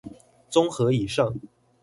綜合以上